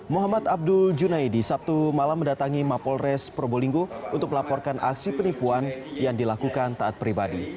muhammad abdul junaidi sabtu malam mendatangi mapolres probolinggo untuk melaporkan aksi penipuan yang dilakukan taat pribadi